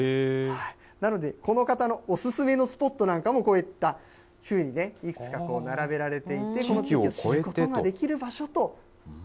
なので、この方のお勧めのスポットなんかも、こういったふうに、いくつか並べられていて楽しむことができる場所と。